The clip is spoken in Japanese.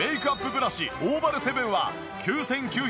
ブラシオーバル７は９９９０円！